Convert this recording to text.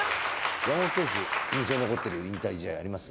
山本選手印象に残っている引退試合あります？